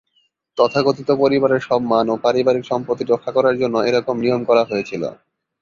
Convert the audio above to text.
তথাকথিত পরিবারের সম্মান ও পারিবারিক সম্পত্তি রক্ষা করার জন্য এরকম নিয়ম করা হয়েছিল।